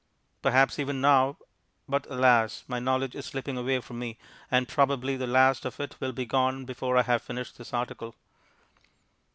Perhaps, even now... but alas! my knowledge is slipping away from me, and probably the last of it will be gone before I have finished this article.